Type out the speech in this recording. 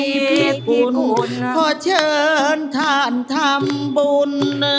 มีพี่บุญขอเชิญท่านทำบุญ